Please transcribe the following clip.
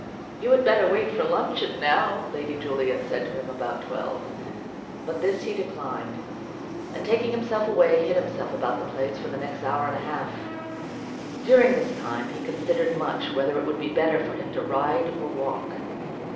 "You had better wait for luncheon, now," Lady Julia said to him about twelve. But this he declined; and taking himself away hid himself about the place for the next hour and a half. During this time he considered much whether it would be better for him to ride or walk.